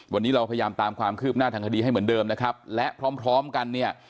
วันนี้เราพยายามตามความคืบหน้าทางคดีให้เหมือนเดิมนะครับและพร้อมพร้อมกันเนี่ย